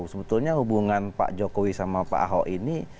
sebetulnya hubungan pak jokowi sama pak ahok ini